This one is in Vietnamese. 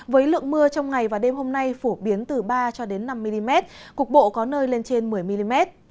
với lượng mưa trong ngày và đêm hôm nay phổ biến từ ba cho đến năm mm cục bộ có nơi lên trên một mươi mm